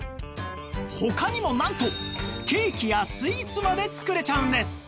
他にもなんとケーキやスイーツまで作れちゃうんです